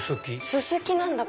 ススキなんだ！